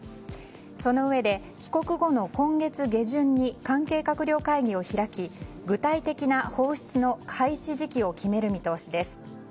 そのうえで、帰国後の今月下旬に関係閣僚会議を開き具体的な放出の開始時期を決める見通しです。